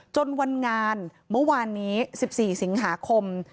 จนวันงานเมื่อวานนี้๑๔สิงหาคม